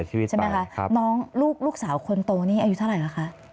ใช่ไหมคะน้องลูกลูกสาวคนโตนี้อายุเท่าไหร่แล้วคะ